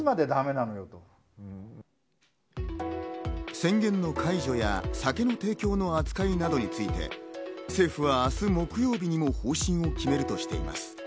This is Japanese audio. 宣言の解除や酒の提供の扱いなどについて政府は明日木曜日にも方針を決めるとしています。